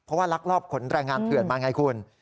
เพราะว่าลักลอบขนแรงงานเถื่อนมาไงคุณ